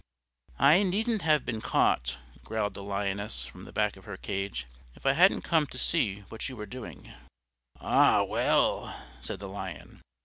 "I needn't have been caught," growled the Lioness from the back of her cage, "if I hadn't come to see what you were doing." "Ah, well," said the Lion.